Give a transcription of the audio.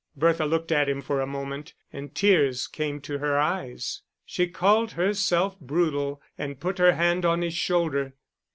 Bertha looked at him for a moment, and tears came to her eyes. She called herself brutal, and put her hand on his shoulder.